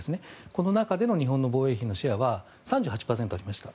この中での日本の防衛費のシェアは３８％ありました。